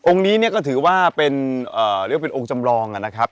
นี้เนี่ยก็ถือว่าเป็นเรียกว่าเป็นองค์จำลองนะครับ